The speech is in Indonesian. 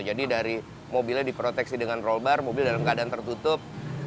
jadi dari mobilnya diproteksi dengan roll bar mobil dalam keadaan tertutup